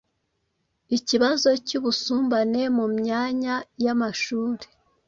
ikibazo cy'ubusumbane mu myanya y'amashuri